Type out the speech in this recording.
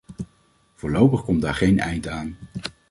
Voorlopig komt daar geen eind aan.